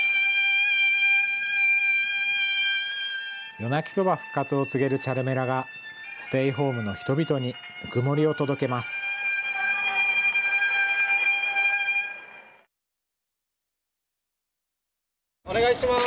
夜鳴きそば復活を告げるチャルメラがステイホームの人々にぬくもりを届けますお願いします。